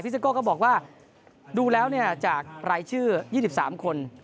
ซิโก้ก็บอกว่าดูแล้วจากรายชื่อ๒๓คน